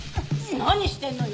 何言ってんのよ！